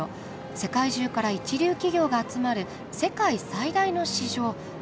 世界中から一流企業が集まる世界最大の市場」か。